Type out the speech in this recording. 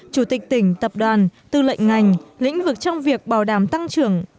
chủ tịch tỉnh tập đoàn tư lệnh ngành lĩnh vực trong việc bảo đảm tăng trưởng